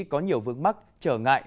có nhiều vương mắc trở ngại